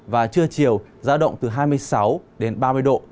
và chưa chiều giá động từ hai mươi sáu ba mươi độ